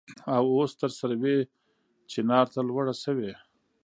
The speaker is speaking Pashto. او اوس تر سروې چينار ته لوړه شوې.